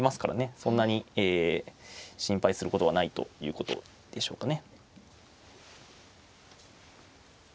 そんなに心配することはないということでしょうかね。